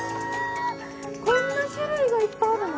こんな種類がいっぱいあるの？